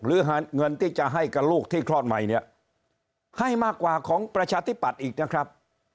หรือเงินที่จะให้กับลูกที่คลอดใหม่เนี่ยให้มากกว่าของประชาธิปัตย์อีกนะครับ